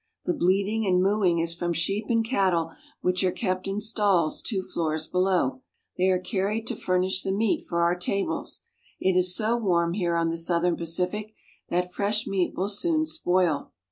The bleating and mooing is from sheep and cattle which are kept in stalls two floors below. They are car ried to furnish the meat for our tables. It is so warm here on the southern Pacific that fresh meat will soon spoil.